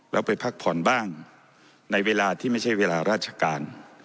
แล้วไปพักผ่อนบ้างในเวลาที่ไม่ใช่เวลาราชการ